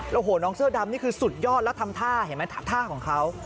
โอ้โหน้องเสื้อดำนี่คือสุดยอดแล้วทำท่าเห็นไหมท่าของเขา